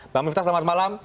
bang miftah selamat malam